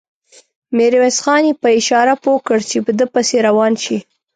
ميرويس خان يې په اشاره پوه کړ چې په ده پسې روان شي.